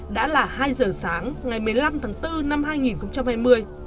đã là hai giờ sáng ngày một mươi năm tháng bốn năm hai nghìn hai mươi